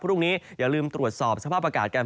พรุ่งนี้อย่าลืมตรวจสอบสภาพอากาศกัน